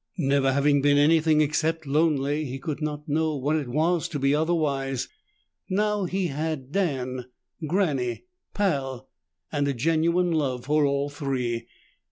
Never having been anything except lonely, he could not know what it was to be otherwise. Now he had Dan, Granny, Pal, and a genuine love for all three.